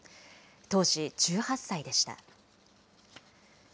当時１８歳でした。